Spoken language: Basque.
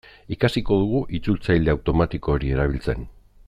Ikasiko dugu itzultzaile automatiko hori erabiltzen.